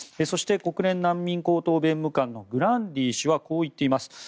そして、国連難民高等弁務官のグランディ氏はこう言っています。